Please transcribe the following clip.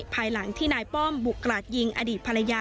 ภายหลังที่นายป้อมบุกกราดยิงอดีตภรรยา